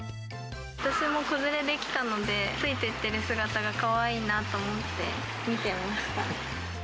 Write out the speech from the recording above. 私も子連れで来たので、ついてってる姿がかわいいなと思って見てました。